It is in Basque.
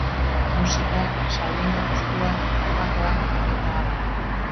Musika, salmenta postuak, barbakoak, etb.